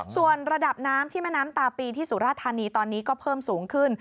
ส่วนระดับน้ำที่แม่น้ำตาปีที่สุราธานีตอนนี้ก็เพิ่มสูงขึ้น